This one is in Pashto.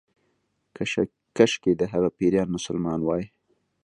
کشکې د هغې پيريان مسلمان وای